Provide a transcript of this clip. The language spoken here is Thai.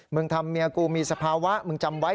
มึงทำเมียกูมีสภาวะมึงจำไว้